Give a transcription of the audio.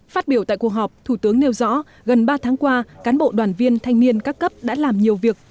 phát biểu tại cuộc họp thủ tướng nêu rõ gần ba tháng qua cán bộ đoàn viên thanh niên các cấp đã làm nhiều việc